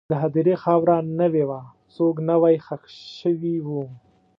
د هدیرې خاوره نوې وه، څوک نوی ښخ شوي وو.